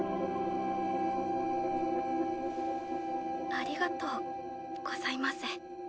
ありがとうございます。